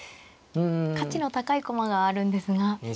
価値の高い駒があるんですが。